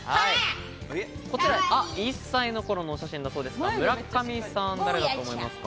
１歳の頃のお写真だそうですが、村上さん誰だと思いますか？